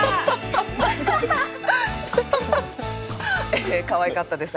えかわいかったです。